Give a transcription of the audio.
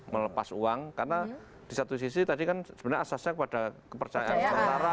melepas uang karena di satu sisi tadi kan sebenarnya asasnya kepada kepercayaan sementara